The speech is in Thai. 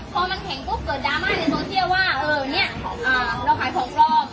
พอมันแข็งปุ๊บเกิดดราม่าในโซเชียลว่าเออวันนี้เราขายของปลอม